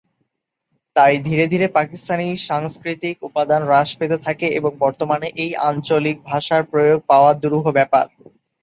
তাই ধীরে ধীরে পাকিস্তানি সাংস্কৃতিক উপাদান হ্রাস পেতে থাকে এবং বর্তমানে এই আঞ্চলিক ভাষার প্রয়োগ পাওয়া দুরূহ ব্যাপার।